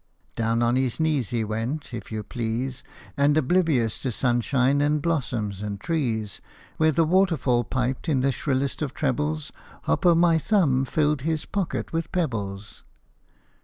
Down on his knees he went, if you please, And oblivious of sunshine, and blossoms, and trees, Where the waterfall piped in the shrillest of trebles Hop o' my Thumb filled his pocket with pebbles.